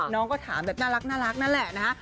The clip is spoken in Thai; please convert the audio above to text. น้องก็ถามแบบน่ารักนั่นแหละนะฮะ